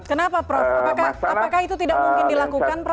kenapa prof apakah itu tidak mungkin dilakukan prof